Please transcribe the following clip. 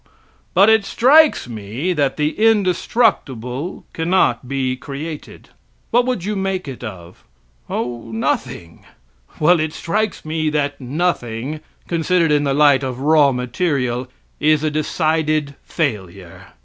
But it strikes me that the indestructible cannot be created. What would you make it of? "Oh, nothing!" Well, it strikes me that nothing, considered in the light of a raw material, is a decided failure.